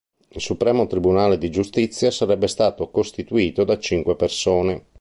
Il supremo tribunale di giustizia sarebbe stato costituito da cinque persone.